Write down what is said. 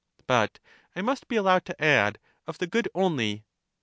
But I must be allowed to add of the good only.